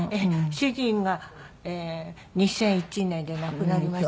主人が２００１年で亡くなりましたでしょ。